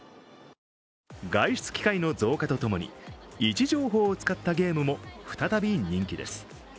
外出機会の増加とともに位置情報を使ったゲームも再び人気です